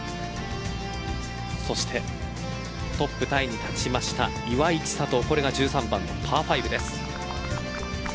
そしてトップタイに立ちました岩井千怜これが１３番のパー５です。